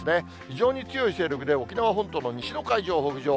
非常に強い勢力で沖縄本島の西の海上を北上。